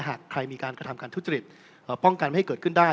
หากใครมีการกระทำการทุจริตป้องกันไม่ให้เกิดขึ้นได้